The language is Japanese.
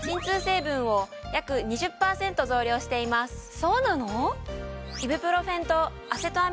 そうなの？